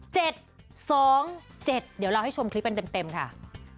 เจ็ดสองเจ็ดเดี๋ยวเราให้ชมคลิปเป็นเต็มค่ะ